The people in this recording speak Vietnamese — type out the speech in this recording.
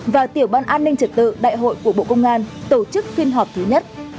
và tiểu ban an ninh trật tự đại hội của bộ công an tổ chức phiên họp thứ nhất